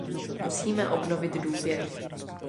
Musíme obnovit důvěru.